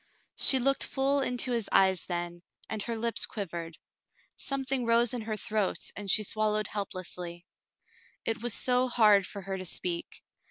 She looked full into his eyes then, and her lips quivered. Something rose in her throat, and she swallowed helplessly. It was so hard for her to speak.